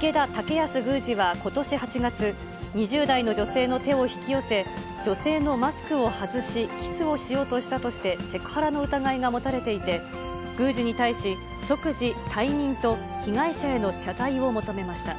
剛康宮司はことし８月、２０代の女性の手を引き寄せ、女性のマスクを外し、キスをしようとしたとして、セクハラの疑いが持たれていて、宮司に対し、即時退任と被害者への謝罪を求めました。